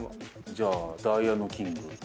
じゃあダイヤのキング。